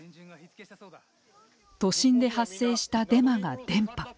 都心で発生したデマが伝ぱ。